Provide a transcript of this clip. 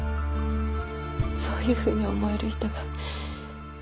そういうふうに思える人が。